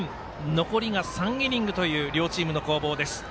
残りが３イニングという両チームの攻防です。